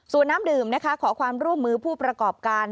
ส่วนน้ำดื่มนะคะขอความร่วมมือผู้ประกอบการ